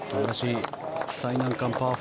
最難関パー４。